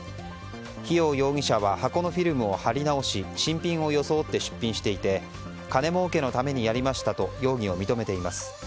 日用容疑者は箱のフィルムを貼り直し新品を装って出品していて金儲けのためにやりましたと容疑を認めています。